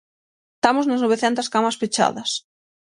Estamos nas novecentas camas pechadas.